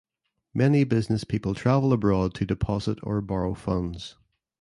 Many business people travel abroad to deposit or borrow funds.